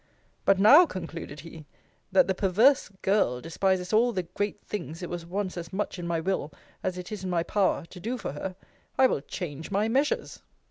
But now, concluded he, that the perverse girl despises all the great things it was once as much in my will, as it is in my power, to do for her, I will change my measures.